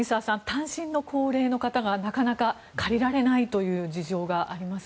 単身の高齢の方がなかなか借りられないという事情があります。